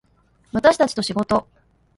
私たちと仕事